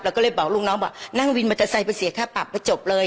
ก็เลยบอกลูกน้องบอกนั่งวินมอเตอร์ไซค์ไปเสียค่าปรับให้จบเลย